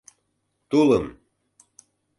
Тулым!